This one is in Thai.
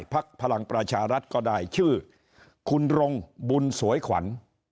พลังประชารัฐก็ได้ชื่อคุณรงบุญสวยขวัญ